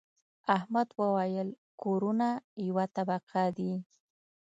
احمد وويل: کورونه یوه طبقه دي.